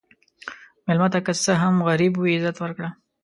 مېلمه ته که څه هم غریب وي، عزت ورکړه.